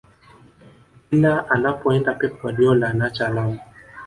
kila anapoenda pep guardiola anaacha alama